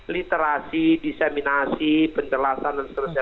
literasi diseminasi penjelasan dan seterusnya